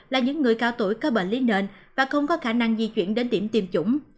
là những người cao tuổi có bệnh lý nền và không có khả năng di chuyển đến điểm tiêm chủng